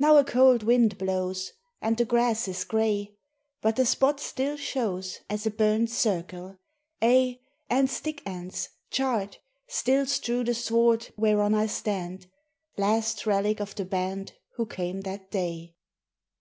Now a cold wind blows, And the grass is gray, But the spot still shows As a burnt circle—aye, And stick ends, charred, Still strew the sward Whereon I stand, Last relic of the band Who came that day!